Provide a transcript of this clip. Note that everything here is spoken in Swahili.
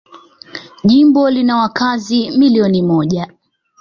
Jimbo lina wakazi milioni moja.